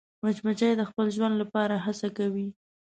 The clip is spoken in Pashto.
مچمچۍ د خپل ژوند لپاره هڅه کوي